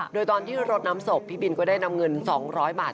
โดยตอนที่รดน้ำศพพี่บินก็ได้นำเงิน๒๐๐บาท